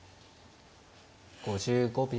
５５秒。